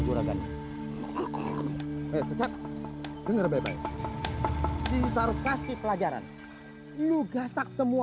terbantar di keluarga turis fasi pelajaran lupa trimuri